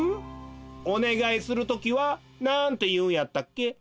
おねがいするときはなんていうんやったっけ？